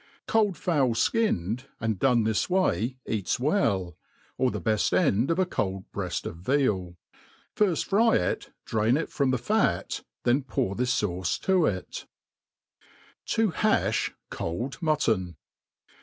Cold fowl (kinned, and done this way, eats well ; or the beft end of a cold breaft of veal ; firft fry it, drain it from the fat; then pour this fauce to it* . To hajh Cold Mutton.